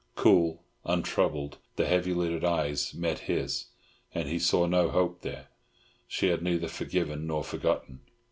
Cool, untroubled, the heavy lidded eyes met his, and he saw no hope there. She had neither forgiven nor forgotten.